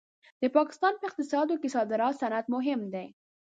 د پاکستان په اقتصاد کې د صادراتو صنعت مهم دی.